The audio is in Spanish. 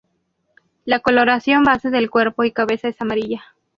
La coloración base del cuerpo y cabeza es amarilla.